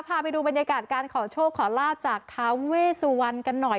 พาไปดูบรรยากาศการขอโชคขอลาบจากท้าเวสุวรรณกันหน่อย